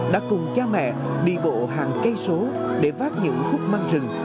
đã cùng cha mẹ đi bộ hàng cây số để phát những khúc măng rừng